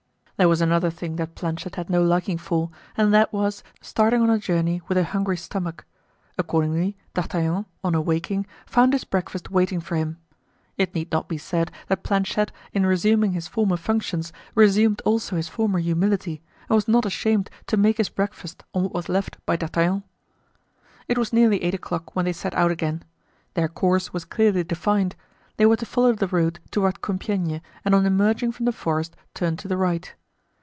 There was another thing that Planchet had no liking for and that was starting on a journey with a hungry stomach. Accordingly, D'Artagnan, on awaking, found his breakfast waiting for him. It need not be said that Planchet in resuming his former functions resumed also his former humility and was not ashamed to make his breakfast on what was left by D'Artagnan. It was nearly eight o'clock when they set out again. Their course was clearly defined: they were to follow the road toward Compiegne and on emerging from the forest turn to the right.